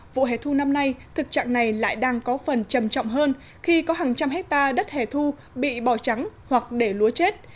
vụ hẻ thu năm nay thực trạng này lại đang có phần trầm trọng hơn khi có hàng trăm hectare đất hẻ thu bị bỏ trắng hoặc để lúa chết